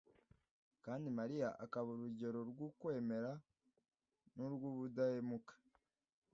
kandi mariya akaba urugero rw’ukwemera n’urw’ubudahemuka,